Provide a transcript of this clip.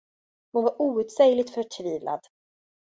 Hon var outsägligt förtvivlad.